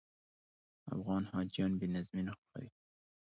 افغان حاجیان بې نظمي نه خوښوي.